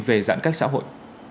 về giãn cách xã hội